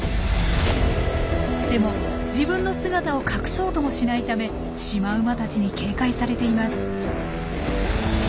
でも自分の姿を隠そうともしないためシマウマたちに警戒されています。